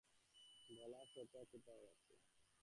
বলো, সেটা কোথায় আছে!